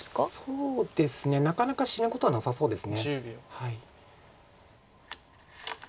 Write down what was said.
そうですねなかなか死ぬことはなさそうです。